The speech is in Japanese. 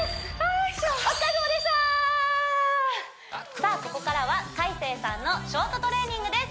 さあここからは海青さんのショートトレーニングです